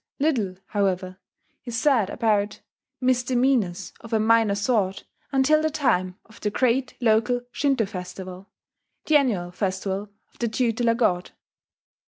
Little, however, is said about misdemeanours of a minor sort until the time of the great local Shinto festival, the annual festival of the tutelar god.